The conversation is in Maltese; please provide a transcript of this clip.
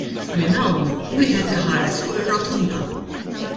Minn hawn wieħed iħares fuq ir-Rotunda.